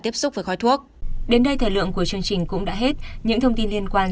tiếp xúc với khói thuốc đến đây thời lượng của chương trình cũng đã hết những thông tin liên quan